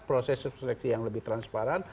proses seleksi yang lebih transparan